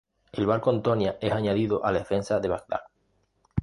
El barco "Antonia" es añadido a la defensa de Bagdad.